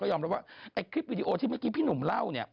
ยอมรับว่าไอ้คลิปวิดีโอที่เมื่อกี้พี่หนุ่มเล่าเนี่ย